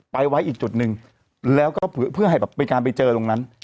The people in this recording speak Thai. ไว้อีกจุดหนึ่งแล้วก็เพื่อให้แบบเป็นการไปเจอตรงนั้น